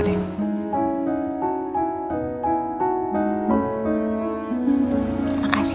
terima kasih ya